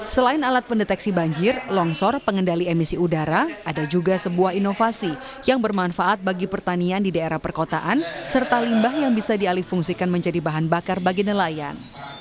selain alat pendeteksi banjir longsor pengendali emisi udara ada juga sebuah inovasi yang bermanfaat bagi pertanian di daerah perkotaan serta limbah yang bisa dialih fungsikan menjadi bahan bakar bagi nelayan